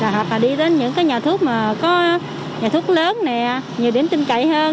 hoặc là đi đến những nhà thuốc mà có nhà thuốc lớn nè nhiều điểm tinh cậy hơn